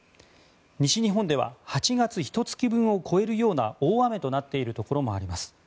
西日本では８月ひと月分を超えるような大雨となっているところもあります。